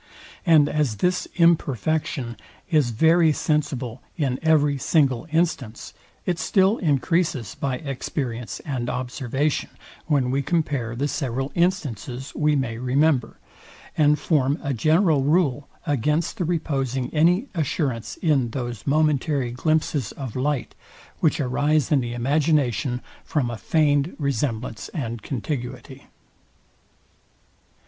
And as this imperfection is very sensible in every single instance, it still encreases by experience and observation, when we compare the several instances we may remember, and form a general rule against the reposing any assurance in those momentary glimpses of light, which arise in the imagination from a feigned resemblance and contiguity.